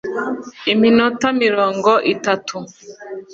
Iminota mirongo itatu